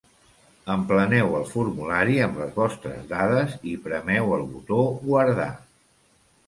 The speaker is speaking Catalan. Empleneu el formulari amb les vostres dades i premeu el botó Guardar.